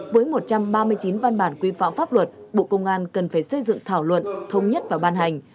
với một trăm ba mươi chín văn bản quy phạm pháp luật bộ công an cần phải xây dựng thảo luận thông nhất và ban hành